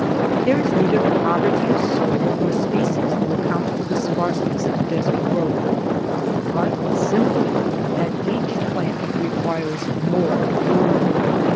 There is neither poverty of soil nor species to account for the sparseness of desert growth, but simply that each plant requires more room.